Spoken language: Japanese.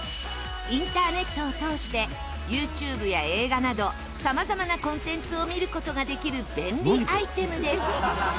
インターネットを通してユーチューブや映画など様々なコンテンツを見る事ができる便利アイテムです。